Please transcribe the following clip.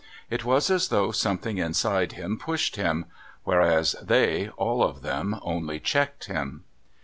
It was as though something inside him pushed him... whereas they, all of them, only checked him.